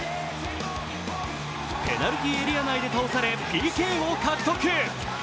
ペナルティーエリア内で倒されＰＫを獲得。